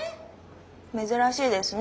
珍しいですね。